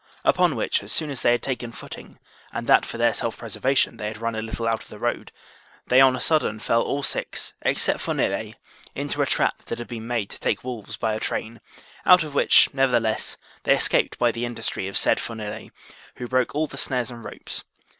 Upon which, as soon as they had taken footing, and that for their self preservation they had run a little out of the road, they on a sudden fell all six, except Fourniller, into a trap that had been made to take wolves by a train, out of which, nevertheless, they escaped by the industry of the said Fourniller, who broke all the snares and ropes.